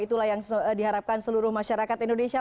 itulah yang diharapkan seluruh masyarakat indonesia